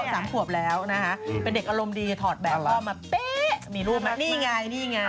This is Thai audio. สามขวบแล้วนะคะเป็นเด็กอารมณ์ดีถอดแบบพ่อมาเป๊ะมีรูปไหมนี่ไงนี่ไง